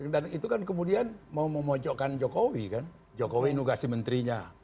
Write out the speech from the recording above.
dan itu kan kemudian mau memojokkan jokowi kan jokowi nugasi menterinya